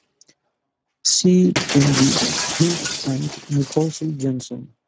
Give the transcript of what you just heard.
Sea N' B, Heat, and Nicholas Johnson.